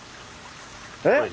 えっ？